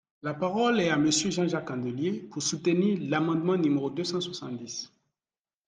La parole est à Monsieur Jean-Jacques Candelier, pour soutenir l’amendement numéro deux cent soixante-dix.